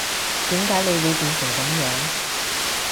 點解你會變成噉樣